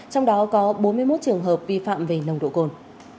trong đó có bốn mươi một trường hợp vi phạm về nồng độ cồn